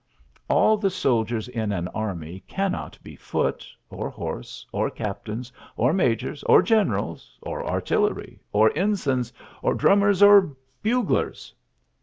All the soldiers in an army cannot be foot, or horse, or captains, or majors, or generals, or artillery, or ensigns, or drummers, or buglers.